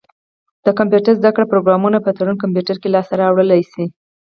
د کمپيوټر زده کړي پروګرامونه په تړون کمپيوټر کي لاسته را وړلای سی.